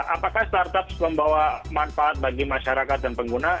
apakah start up membawa manfaat bagi masyarakat dan pengguna